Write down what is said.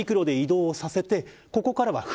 ここからは船。